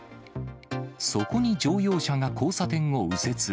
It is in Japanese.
そこに乗用車が交差点を右折。